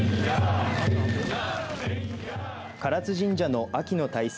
唐津神社の秋の大祭